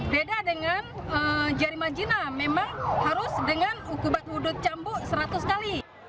beda dengan jarima jinah memang harus dengan hukum batudut cambuk seratus kali